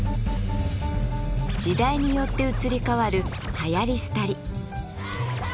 時代によって移り変わるはやり廃り。